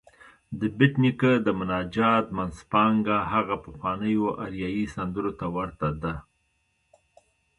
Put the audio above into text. د بېټ نیکه د مناجات منځپانګه هغه پخوانيو اریايي سندرو ته ورته ده.